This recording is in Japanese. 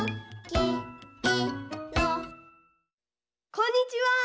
こんにちは！